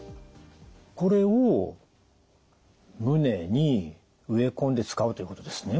これを胸に植え込んで使うということですね。